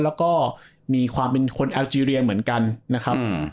แล้วก็มีความเป็นคนแอลเจรียเหมือนกันนะครับ